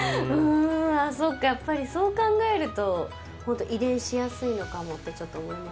やっぱり、そう考えると遺伝しやすいのかもってちょっと思います。